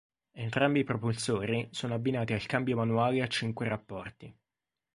Entrambi i propulsori sono abbinati al cambio manuale a cinque rapporti.